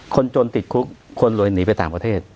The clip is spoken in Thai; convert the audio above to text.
คนจนติดคุกคนรวยหนีไปต่างประเทศ